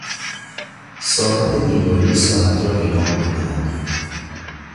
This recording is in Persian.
ساعت دیواری ساعت را اعلام میکند.